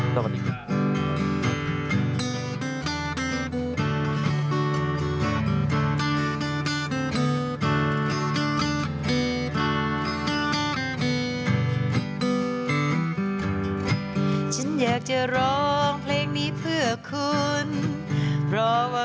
ขอบคุณครับค่ะ